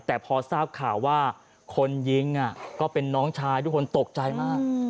แต่พอทราบข่าวว่าคนยิงก็เป็นน้องชายทุกคนตกใจมาก